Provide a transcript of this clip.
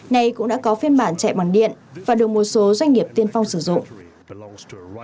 này cũng đã có phiên bản chạy bằng điện và được một số doanh nghiệp tiên phong sử dụng